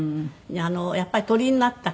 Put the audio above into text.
やっぱり鳥になったか